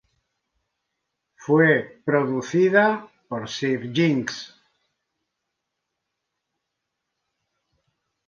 Fue producida por Sir Jinx.